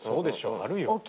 あるよ。